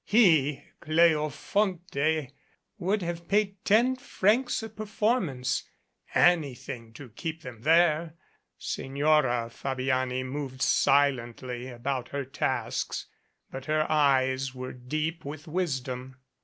He, Cleofonte, would have paid ten francs a performance anything to keep them there. Signora Fabiani moved silently about her tasks, but her eyes were deep with wisdom.